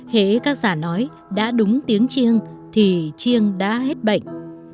hế các giả nói đã đúng tiếng chiêng thì chiêng đã hết bệnh